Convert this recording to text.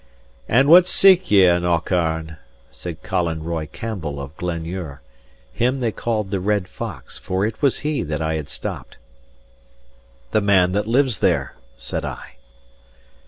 "And what seek ye in Aucharn?" said Colin Roy Campbell of Glenure, him they called the Red Fox; for he it was that I had stopped. "The man that lives there," said I.